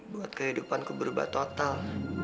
buat kehidupanku berubah total